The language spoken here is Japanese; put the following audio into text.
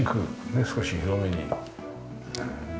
ねえ少し広めに。